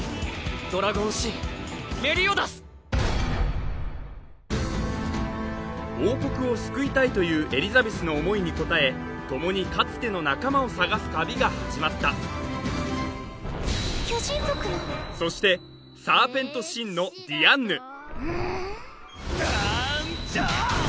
ドラゴン・シンメリオダス王国を救いたいというエリザベスの思いに応えともにかつての仲間を探す旅が始まったそしてサーペント・シンのディアンヌだんちょう！